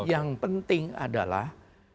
nah yang penting adalah